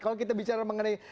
kalau kita bicara mengenai